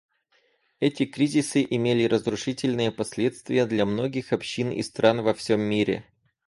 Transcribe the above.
Эти кризисы имели разрушительные последствия для многих общин и стран во всем мире.